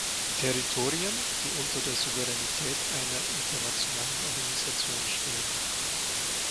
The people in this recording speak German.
Territorien, die unter der Souveränität einer internationalen Organisation stehen.